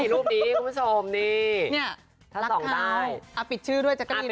ลักษณะผู้ชาย